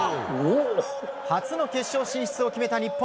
初の決勝進出を決めた日本。